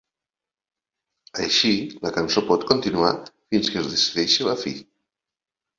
Així la cançó pot continuar fins que es decideix la fi.